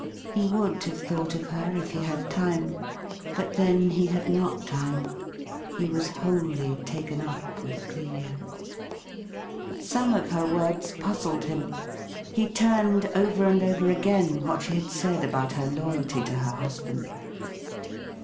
He would have thought of her, if he had time ; but then he had not time. He was wholly taken up with Clelia. Some of her words puzzled him. He tiuTied over and over again what she said about her loyalty to her husband.